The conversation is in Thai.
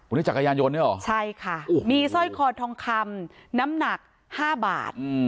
นี่จักรยานยนต์เนี่ยเหรอใช่ค่ะมีสร้อยคอทองคำน้ำหนัก๕บาท